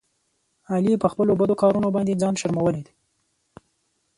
علي په خپلو بدو کارونو باندې ځان شرمولی دی.